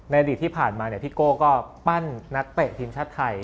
อดีตที่ผ่านมาพี่โก้ก็ปั้นนักเตะทีมชาติไทย